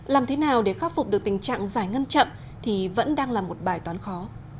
làm thế nào để khắc phục được tình trạng giải ngân chậm thì vẫn đang là một bài toán khó